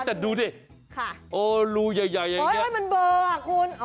แต่ดูดิโอ้รูใหญ่อย่างนี้โอ้มันเบาคุณ